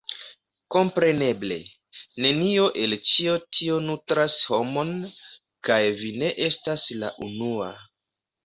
Kompreneble! Nenio el ĉio tio nutras homon, kaj vi ne estas la unua.